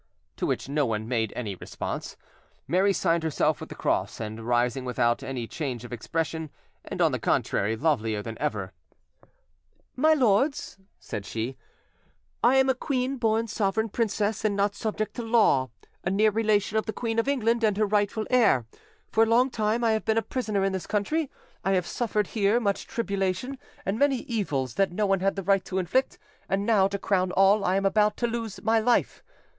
to which no one made any response, Mary signed herself with the cross, and, rising without any change of expression, and, on the contrary, lovelier than ever— "My lords," said she, "I am a queen born sovereign princess, and not subject to law,—a near relation of the Queen of England, and her rightful heir; for a long time I have been a prisoner in this country, I have suffered here much tribulation and many evils that no one had the right to inflict, and now, to crown all, I am about to lose my life.